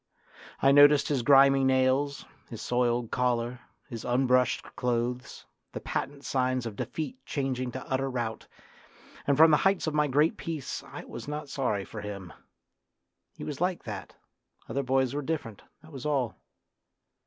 I noticed his grimy nails, his soiled collar, his unbrushed clothes, the patent signs of defeat changing to utter rout, and from the heights of my great peace I was not sorry for him. He was like that, other boys were different, that was all.